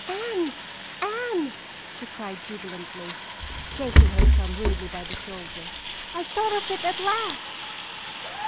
"Anne! Anne!" she cried jubilantly, shaking her chum rudely by the shoulder. "I've thought of it at last!"